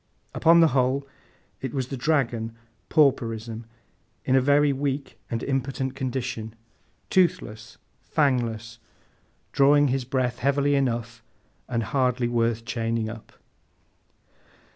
Upon the whole, it was the dragon, Pauperism, in a very weak and impotent condition; toothless, fangless, drawing his breath heavily enough, and hardly worth chaining up.